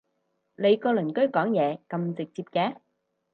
你個鄰居講嘢咁直接嘅？